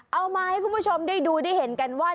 เอามาให้คุณผู้ชมได้ดูได้เห็นกันว่า